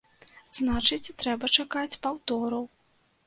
Значыць, трэба чакаць паўтору.